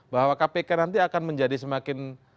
bahwa kpk nanti akan menjadi semakin